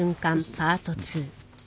パート２。